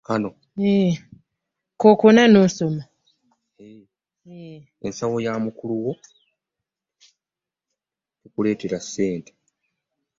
Ensawo yamukulu wo tekuterekera ssente.